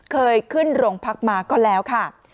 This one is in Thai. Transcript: เคยขึ้นโรงพักมาก็แล้วค่ะ